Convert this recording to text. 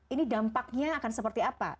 ini dampaknya akan seperti apa